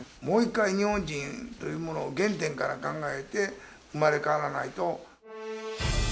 もう一回、日本人というものを原点から考えて、生まれ変わらないと。